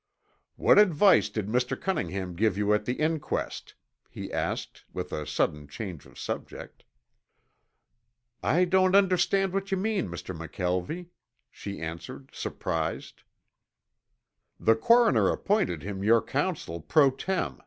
"What advice did Mr. Cunningham give you at the inquest?" he asked, with a sudden change of subject. "I don't understand what you mean, Mr. McKelvie," she answered, surprised. "The coroner appointed him your counsel pro tem.